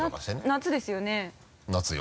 夏ですよね？夏よ。